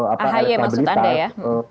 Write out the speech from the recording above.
ahi maksud anda ya